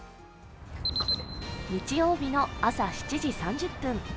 日曜日の朝７時３０分。